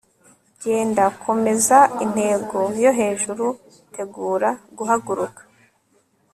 genda. komeza. intego yo hejuru. tegura guhaguruka